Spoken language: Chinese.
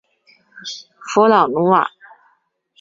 弗朗努瓦。